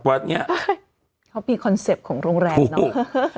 เขามีขอนเซ็ปต์ของโรงแรงเนอะ